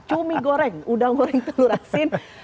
cumi goreng udang goreng telur asin